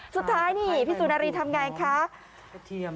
สุดท้ายพี่ซุนารีทำอย่างไงครับ